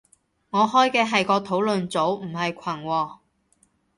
我開嘅係個討論組，唔係群喎